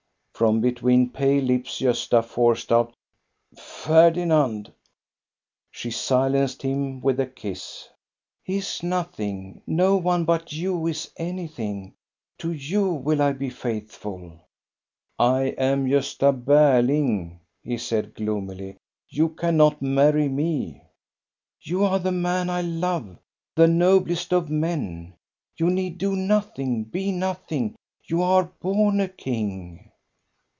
From between pale lips Gosta forced out, —" Ferdinand." She silenced him with a kiss. " He is nothing; no one but you is anything. To you will I be faithful." COSTA BERLING, POET 73 " I am Gosta Berling," he said gloomily ;" you can not marry me," " You are the man I love, the noblest of men. You need do nothing, be nothing. You are born a king."